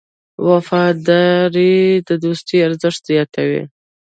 وفاداري د دوستۍ ارزښت زیاتوي.